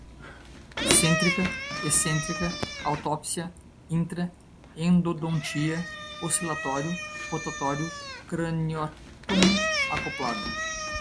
centrica, ecentrica, autopsia, intra, endodontia, oscilatório, rotatório, craniótomo, acoplada